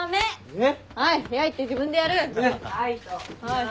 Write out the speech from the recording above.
えっ？